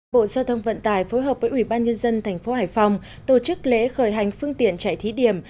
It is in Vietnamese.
bộ giao thông vận tải phối hợp với ủy ban nhân dân tp hải phòng tổ chức lễ khởi hành phương tiện chạy thí điểm